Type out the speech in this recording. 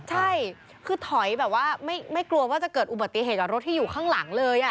ใช่คือถอยแบบว่าไม่กลัวว่าจะเกิดอุบัติเหตุกับรถที่อยู่ข้างหลังเลย